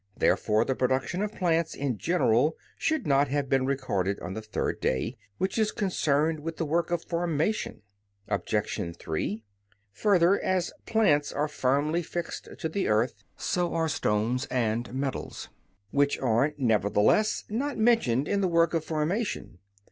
Therefore the production of plants in general should not have been recorded on the third day, which is concerned with the work of formation. Obj. 3: Further, as plants are firmly fixed to the earth, so are stones and metals, which are, nevertheless, not mentioned in the work of formation.